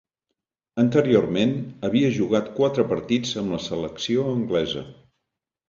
Anteriorment havia jugat quatre partits amb la selecció anglesa.